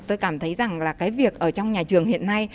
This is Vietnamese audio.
tôi cảm thấy rằng là cái việc ở trong nhà trường hiện nay